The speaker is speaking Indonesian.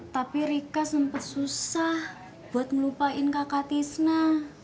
tapi rika sempat susah buat ngelupain kakak tisna